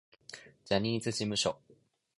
ジャニーズ事務所